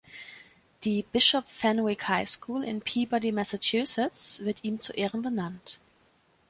Die Bishop Fenwick High School in Peabody, Massachusetts, wird ihm zu Ehren benannt.